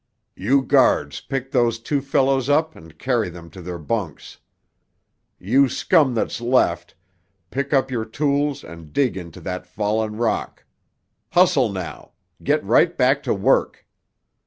"You guards pick those two fellows up and carry them to their bunks. You scum that's left, pick up your tools and dig into that fallen rock. Hustle now! Get right back to work!"